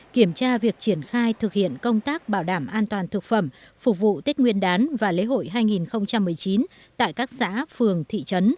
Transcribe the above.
kiểm tra việc triển khai thực hiện công tác bảo đảm an toàn thực phẩm phục vụ tết nguyên đán và lễ hội hai nghìn một mươi chín tại các xã phường thị trấn